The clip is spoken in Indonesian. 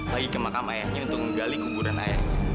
lagi ke makam ayahnya untuk menggali kuburan ayah